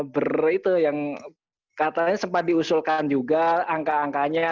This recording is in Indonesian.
ber itu yang katanya sempat diusulkan juga angka angkanya